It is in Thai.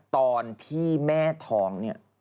ตอนที่แม่ท้องเนี่ย